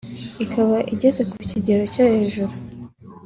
ikaba igeze ku kigero cyo hejuru